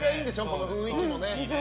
この雰囲気もね。